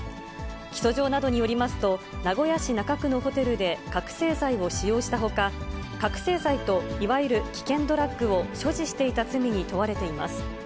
起訴状などによりますと、名古屋市中区のホテルで、覚醒剤を使用したほか、覚醒剤といわゆる危険ドラッグを所持していた罪に問われています。